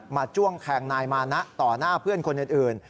จ้วงแทงนายมานะต่อหน้าเพื่อนคนอื่น